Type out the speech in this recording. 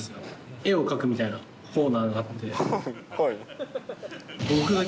絵を描くみたいなコーナーがあって。